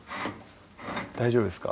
大丈夫ですか？